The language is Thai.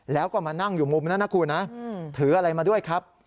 แล้วก็มานั่งอยู่มุมนั้นนะคุณนะถืออะไรมาด้วยครับ